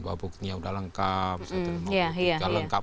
bahwa buktinya sudah lengkap